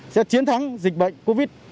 sẽ chiến thắng dịch bệnh covid